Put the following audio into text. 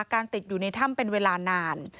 การติดอยู่ในถ้ำเป็นเวลานาน